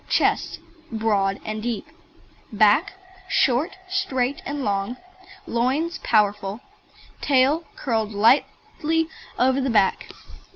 CHEST Broad and deep. BACK Short, straight, and strong. LOINS Powerful. TAIL Curled tightly over the back.